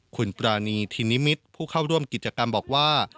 คุณปรานีทินิมิตรผู้เข้าร่วมกิจกรรมบอกว่า